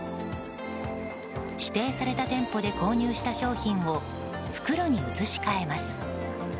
指定された店舗で購入した商品を袋に移し替えます。